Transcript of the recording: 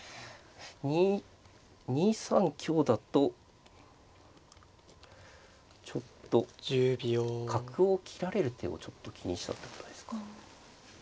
２三香だとちょっと角を切られる手をちょっと気にしたってことですか。